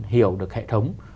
hiểu được hệ thống